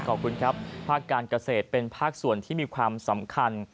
ขอบคุณครับภาคการเกษตรเป็นภาคส่วนที่มีความสำคัญ